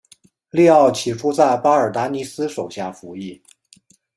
利奥起初在巴尔达尼斯手下服役。